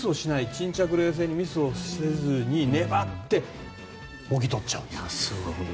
沈着冷静に、ミスをせずに粘ってもぎ取っちゃうんですから。